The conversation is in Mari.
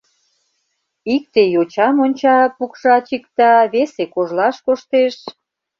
Икте йочам онча, пукша, чикта, весе кожлаш коштеш.